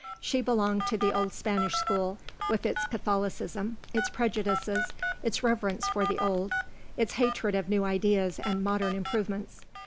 She belonged to the old Spanish school, with its Catholicism, its prejudices, its reverence for the old, its hatred of new ideas and modern improvements.